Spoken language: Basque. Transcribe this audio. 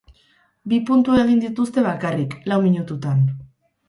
Bi puntu egin dituzte bakarrik, lau minututan.